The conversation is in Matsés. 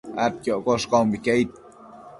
adquioccosh caumbique aid